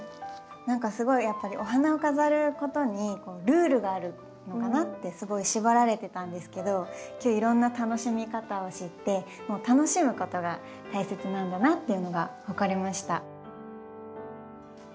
何かすごいやっぱりお花を飾ることにルールがあるのかなってすごい縛られてたんですけど今日いろんな楽しみ方を知って楽しむことが大切なんだなっていうのが分かりました。